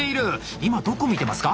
今どこ見てますか？